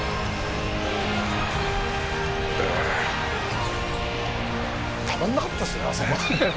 「ううっ」たまんなかったですねあそこは。